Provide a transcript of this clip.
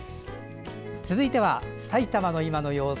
続いては埼玉の今の様子。